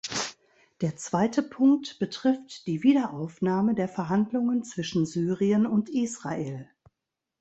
Der zweite Punkt betrifft die Wiederaufnahme der Verhandlungen zwischen Syrien und Israel.